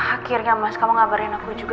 akhirnya mas kamu ngabarin aku juga